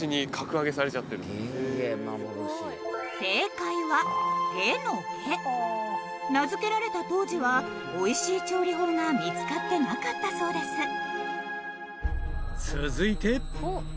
幻魚幻すごい正解は「下の下」名付けられた当時はおいしい調理法が見つかってなかったそうです続いて？